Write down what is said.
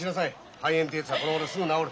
肺炎ってやつはこのごろすぐ治る。